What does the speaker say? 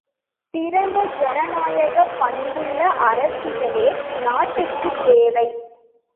சிறந்த ஜனநாயகப் பண்புள்ள அரசியலே நாட்டுக்குத் தேவை.